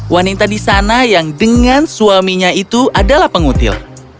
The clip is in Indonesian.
wanita di sana yang dengan suaminya itu adalah pengutil